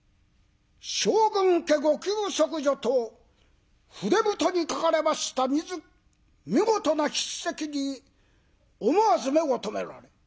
「将軍家御休息所」と筆太に書かれました見事な筆跡に思わず目を留められる。